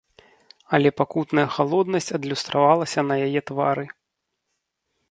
Але пакутная халоднасць адлюстравалася на яе твары.